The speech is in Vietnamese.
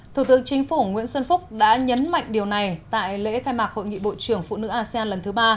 thủ tướng chính phủ nguyễn xuân phúc đã nhấn mạnh điều này tại lễ khai mạc hội nghị bộ trưởng phụ nữ asean lần thứ ba